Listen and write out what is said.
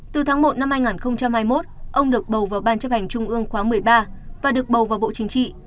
từ tháng một năm hai nghìn hai mươi một ông được bầu vào ban chấp hành trung ương khóa một mươi ba và được bầu vào bộ chính trị